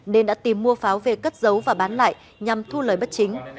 nên đã tìm mua pháo về cất giấu và bán lại nhằm thu lời bất chính